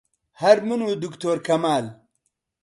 هەر من و دکتۆر کەمال